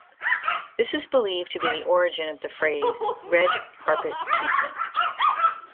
This is believed to be the origin of the phrase "red-carpet treatment".